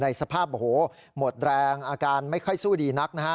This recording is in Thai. สภาพโอ้โหหมดแรงอาการไม่ค่อยสู้ดีนักนะฮะ